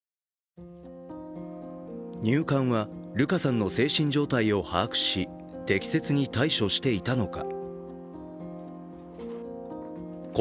入管はルカさんの精神状態を把握し、適切に対処していたのか。